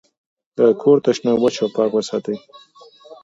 د کور تشناب وچ او پاک وساتئ.